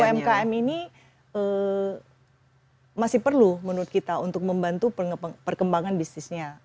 umkm ini masih perlu menurut kita untuk membantu perkembangan bisnisnya